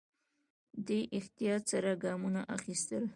دی احتیاط سره ګامونه اخيستل.